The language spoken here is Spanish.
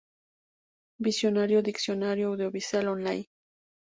Visionario, diccionario audiovisual online